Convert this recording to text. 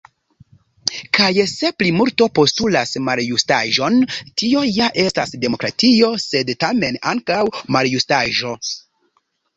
Kaj se plimulto postulas maljustaĵon, tio ja estas demokratio, sed, tamen, ankaŭ maljustaĵo.